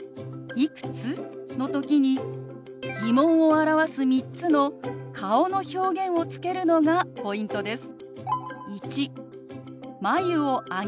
「いくつ？」の時に疑問を表す３つの顔の表現をつけるのがポイントです。